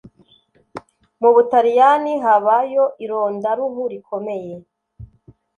mubutaliyani habayo ironda ruhu rikomeye